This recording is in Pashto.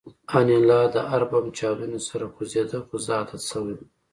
انیلا د هر بم چاودنې سره خوځېده خو زه عادت شوی وم